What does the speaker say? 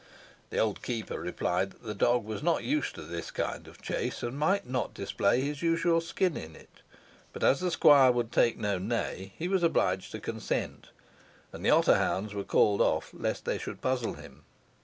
The old keeper replied that the dog was not used to this kind of chase, and might not display his usual skill in it; but as the squire would take no nay, he was obliged to consent, and the other hounds were called off lest they should puzzle him.